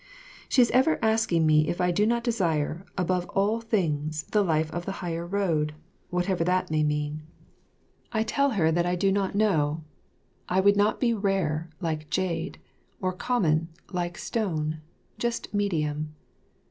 She is ever asking me if I do not desire, above all things, the life of the higher road whatever that may mean. I tell her that I do not know. I would not be rare, like jade, or common, like stone; just medium.